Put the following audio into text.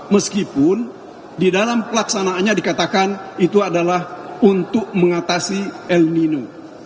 meskipun di dalam pelaksanaannya dikatakan itu adalah untuk mengatasi el nino